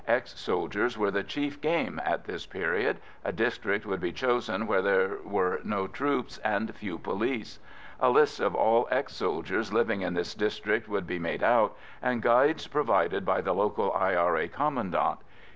Ex soldiers were the chief game at this period. A district would be chosen where there were no troops and few police. A list of all ex soldiers living in this district would be made out, and guides provided by the local I.R.A. commandant.